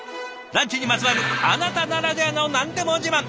ランチにまつわるあなたならではの何でも自慢。